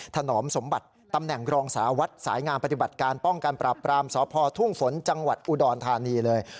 ถนอมสมบัติตำแหน่งรองสารวัตรสายงามปฏิบัติการป้องกันปราบปรามสพทุ่งฝนจังหวัดอุดรธานีเลย